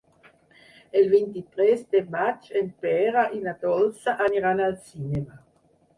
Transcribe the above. El vint-i-tres de maig en Pere i na Dolça aniran al cinema.